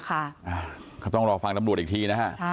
เขายังไปต้องรอฟังดำรวจอีกที